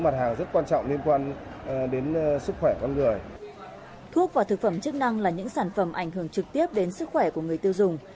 thuốc và thực phẩm chức năng là những sản phẩm ảnh hưởng trực tiếp đến sức khỏe của người tiêu dùng